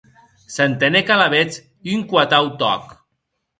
S’entenec alavetz un quatau tòc.